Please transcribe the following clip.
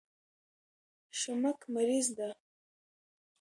شمک مریض ده